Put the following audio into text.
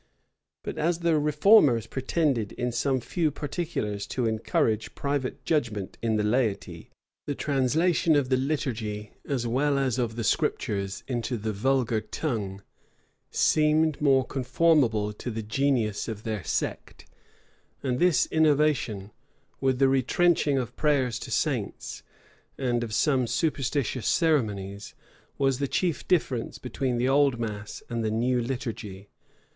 But as the reformers pretended in some few particulars to encourage private judgment in the laity, the translation of the liturgy, as well as of the Scriptures, into the vulgar tongue, seemed more conformable to the genius of their sect; and this innovation, with the retrenching of prayers to saints, and of some superstitious ceremonies, was the chief difference between the old mass and the new liturgy.